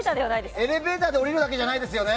エレベーターで降りるわけじゃないですよね。